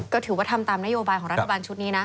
ก็ถือว่าทำตามนโยบายของรัฐบาลชุดนี้นะ